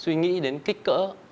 suy nghĩ đến kích cỡ